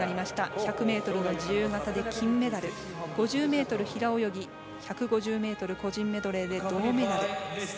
１００ｍの自由形で金メダル５０ｍ平泳ぎ１５０ｍ個人メドレーで銅メダル。